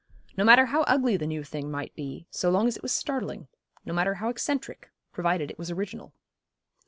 No matter how ugly the new thing might be, so long as it was startling; no matter how eccentric, provided it was original.